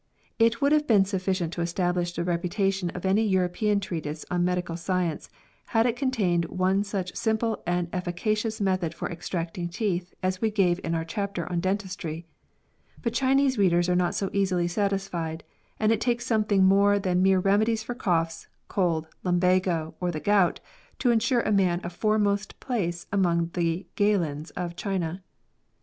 It would have been sufficient to establish the reputation of any European treatise on medical science had it contained one such simple and efficacious method for extracting teeth as we gave in our chapter on Dentistry ; but Chinese readers are not so easily satisfied, and it takes something more than mere remedies for coughs, colds, lumbago, or the gout, to ensure a man a foremost place among the Galens of China.